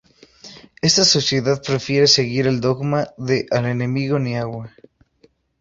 esta sociedad prefiere seguir el dogma de al enemigo ni agua